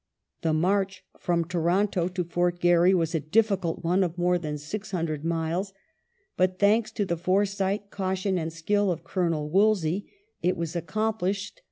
The march from Toronto to FortGaiTy was a difficult one of more than 600 miles, but thanks to the foresight, caution, and skill of Colonel Wolseley it was accomplished without * 34 and 35 Vict.